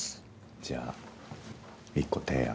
じゃあ１個提案。